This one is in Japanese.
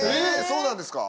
そうなんですか？